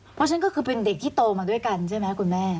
เพราะฉะนั้นก็คือเป็นเด็กที่โตมาด้วยกันใช่ไหมคุณแม่